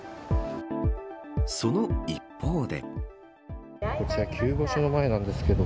その一方で。